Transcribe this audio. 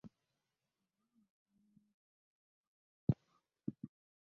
Mu bbanga ttono nnyo nja kuba ndabika.